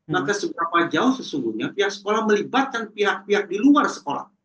maka seberapa jauh sesungguhnya pihak sekolah melibatkan pihak pihak di luar sekolah